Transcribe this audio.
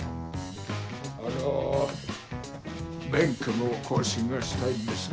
・あの・免許の更新がしたいんですが。